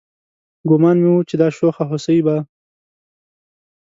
ګومان مې و چې دا شوخه هوسۍ به